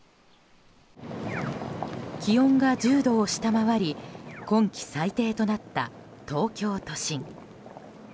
気温が１０度を下回り今季最低となった、東京都心。